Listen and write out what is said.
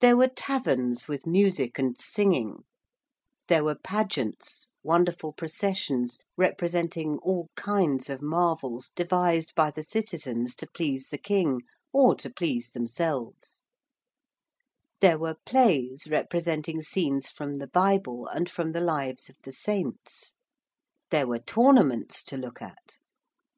There were taverns with music and singing: there were pageants, wonderful processions representing all kinds of marvels, devised by the citizens to please the King or to please themselves: there were plays representing scenes from the Bible and from the Lives of the Saints: there were tournaments to look at.